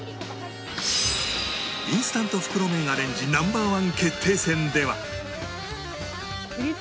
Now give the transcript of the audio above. インスタント袋麺アレンジ Ｎｏ．１ 決定戦では